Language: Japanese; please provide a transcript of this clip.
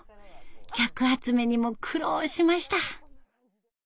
客集めにも苦労しました。